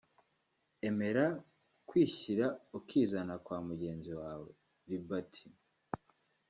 Emera Kwishyira ukizana kwa mugenzi wawe (libert